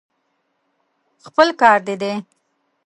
خپل کار دې دی.